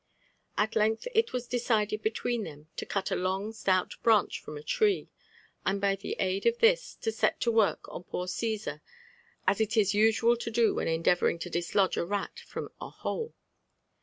, At length it was decided between them to cut a long stout braneb from a tree, and by the aid of this to set to work on poor Cnsar as it is usual to do when endeavouring to dislodge a rat from a hole.